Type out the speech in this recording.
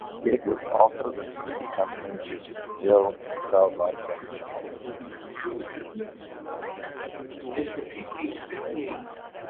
It was also the first company to distill and sell vodka in Japan.